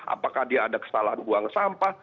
apakah dia ada kesalahan buang sampah